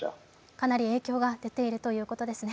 かなり影響が出ているということですね。